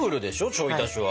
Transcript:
ちょい足しは。